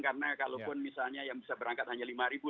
karena kalau misalnya yang bisa berangkat hanya lima ribu